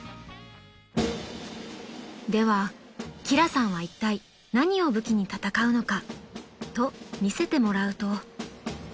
［では輝さんはいったい何を武器に戦うのかと見せてもらうと］